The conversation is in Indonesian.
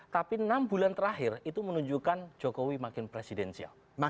tapi enam bulan terakhir itu menunjukkan jokowi makin presidensial